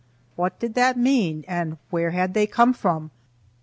What did that mean? and where had they come from?